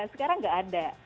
sekarang nggak ada